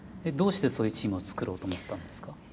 どうしてそういうチームを作ろうと思ったんですか？